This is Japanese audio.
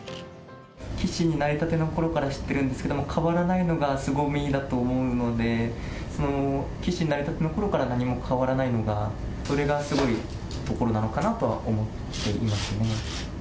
棋士になりたてのころから知ってるんですけども、変わらないのがすごみだと思うので、その棋士になりたてのころから何も変わらないのが、それがすごいところなのかなとは思っていますね。